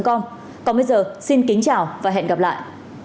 còn bây giờ xin kính chào và hẹn gặp lại